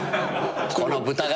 この豚が。